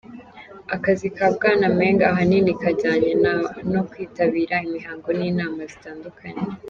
Akazi ka Bwana Meng ahanini kajyanye no kwitabira imihango n'inama zitandukanye.